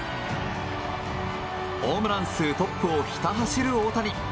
ホームラン数トップをひた走る大谷。